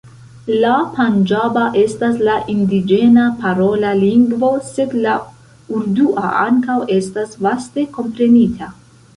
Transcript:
La panĝaba estas la indiĝena parola lingvo, sed la urdua ankaŭ estas vaste komprenita.